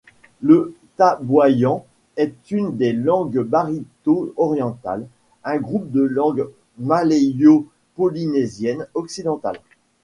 Le taboyan est une des langues barito orientales, un groupe des langues malayo-polynésiennes occidentales.